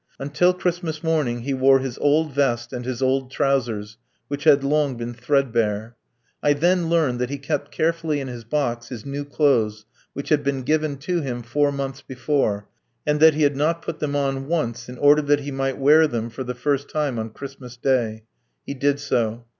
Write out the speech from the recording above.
Until Christmas morning he wore his old vest and his old trousers, which had long been threadbare. I then learned that he kept carefully in his box his new clothes which had been given to him four months before, and that he had not put them on once, in order that he might wear them for the first time on Christmas Day. He did so.